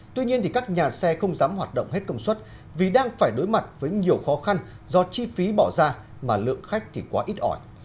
tuy nhiên thì các nhà xe không dám hoạt động hết công suất vì đang phải đối mặt với nhiều khó khăn do chi phí bỏ ra mà lượng khách thì quá ít ỏi